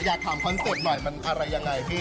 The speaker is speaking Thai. อยากถามคอนเสิร์ตหน่อยมันอะไรยังไงพี่